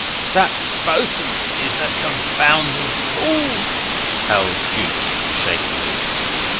"That boss'n is a confounded fool," howled Jukes, shakily.